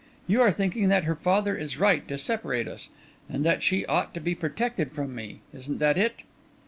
You are thinking that her father is right to separate us, and that she ought to be protected from me. Isn't that it?"